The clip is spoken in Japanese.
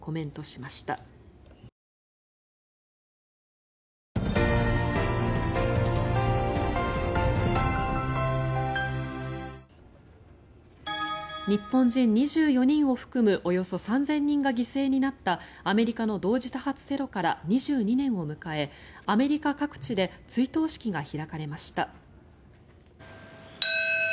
北九州市教育委員会は日本人２４人を含むおよそ３０００人が犠牲になったアメリカの同時多発テロから２２年を迎えアメリカ各地で追悼式が開かれました。